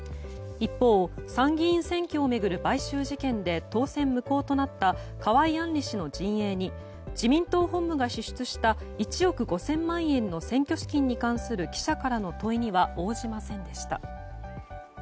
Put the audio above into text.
一方、参議院選挙を巡る買収事件で当選無効となった河井案里氏の陣営に自民党本部が支出した１億５０００万円の選挙資金に関する記者からの問いには応じませんでした。